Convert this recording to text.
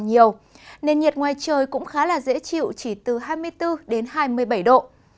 nền nhiệt ngoài trời cũng khá là dễ chịu chỉ từ hai mươi bốn đến hai mươi bảy độ